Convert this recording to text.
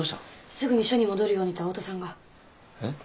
すぐに署に戻るようにと青砥さんが。えっ？